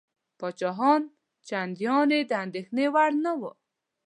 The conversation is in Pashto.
پاچاهان چنداني د اندېښنې وړ نه وه.